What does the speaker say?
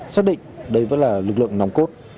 xác định đây vẫn là lực lượng nòng cốt